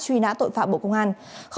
truy nã tội phạm bộ công an